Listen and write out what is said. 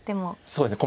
そうですね。